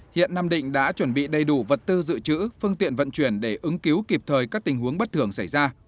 hiện nam định đã chuẩn bị đầy đủ vật tư dự trữ phương tiện vận chuyển để ứng cứu kịp thời các tình huống bất thường xảy ra